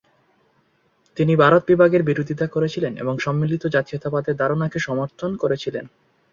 তিনি ভারত বিভাগের বিরোধিতা করেছিলেন এবং সম্মিলিত জাতীয়তাবাদের ধারণাকে সমর্থন করেছিলেন।